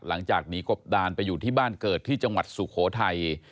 หลังจากหนีกบดานไปอยู่ที่บ้านเกิดที่จังหวัดสุโขทัย